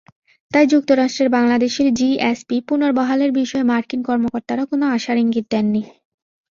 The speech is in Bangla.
তাই যুক্তরাষ্ট্রের বাংলাদেশের জিএসপি পুনর্বহালের বিষয়ে মার্কিন কর্মকর্তারা কোনো আশার ইঙ্গিত দেননি।